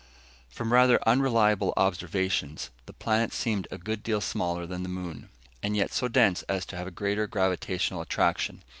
From rather unreliable observations, the planet seemed a good deal smaller than the moon, and yet so dense as to have a greater gravitational attraction.